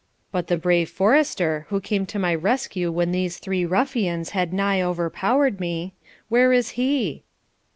But the brave forester, who came to my rescue when these three ruffians had nigh overpowered me, where is he?'